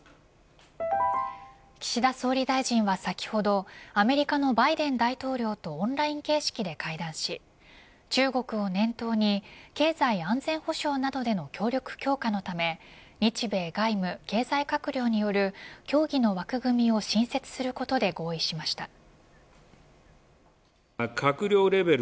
岸田総理大臣は、先ほどアメリカのバイデン大統領とオンライン形式で会談し中国を念頭に経済安全保障などでの協力強化のため日米外務経済閣僚による協議の枠組みを新設することで合意しました。